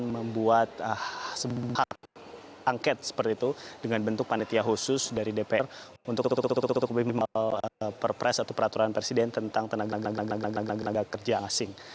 membuat sebuah angket seperti itu dengan bentuk panitia khusus dari dpr untuk perpres atau peraturan presiden tentang tenaga kerja asing